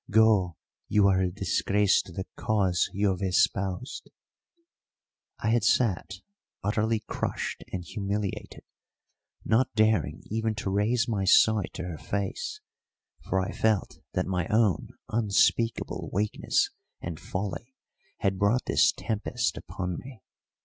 Go; you are a disgrace to the cause you have espoused!" I had sat utterly crushed and humiliated, not daring even to raise my sight to her face, for I felt that my own unspeakable weakness and folly had brought this tempest upon me!